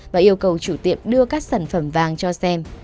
và yêu cầu chủ tiệm đưa các sản phẩm vàng cho xem